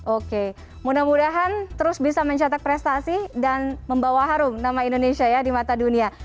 oke mudah mudahan terus bisa mencetak prestasi dan membawa harum nama indonesia ya di mata dunia